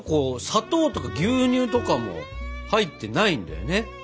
砂糖とか牛乳とかも入ってないんだよね。